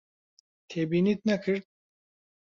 تێبینیت نەکرد؟